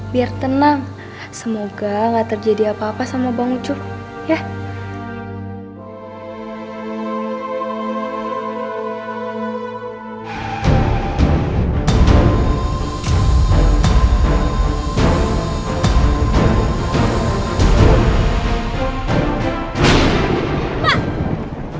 biar tenang semoga gak terjadi apa apa sama bang ucup ya